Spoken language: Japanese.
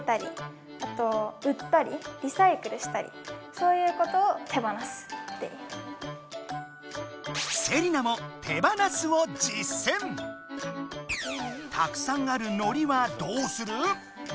そういうことをセリナもたくさんあるのりはどうする？